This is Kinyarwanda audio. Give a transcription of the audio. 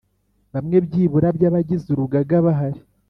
Bamwe byibura by abagize urugaga bahari